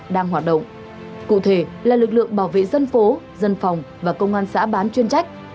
đang hoạt động cụ thể là lực lượng bảo vệ dân phố dân phòng và công an xã bán chuyên trách